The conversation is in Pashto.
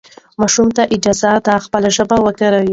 ماشوم ته اجازه ده خپله ژبه وکاروي.